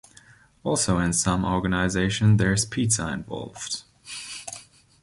Also, in some organizations, there's pizza involved.